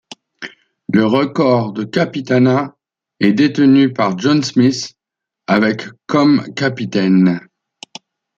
Le record de capitanats est détenu par John Smit avec comme capitaine.